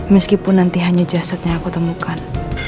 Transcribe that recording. meskipun nanti hanya jasadnya yang aku temukan